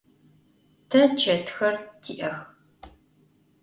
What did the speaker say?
Te çetxer ti'ex.